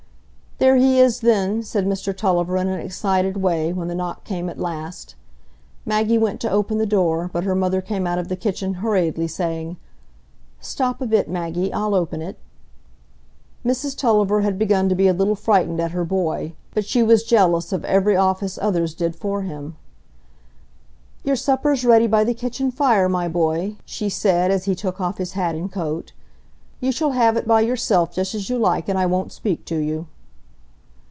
"There he is, then," said Mr Tulliver, in an excited way, when the knock came at last. Maggie went to open the door, but her mother came out of the kitchen hurriedly, saying, "Stop a bit, Maggie; I'll open it." Mrs Tulliver had begun to be a little frightened at her boy, but she was jealous of every office others did for him. "Your supper's ready by the kitchen fire, my boy," she said, as he took off his hat and coat. "You shall have it by yourself, just as you like, and I won't speak to you."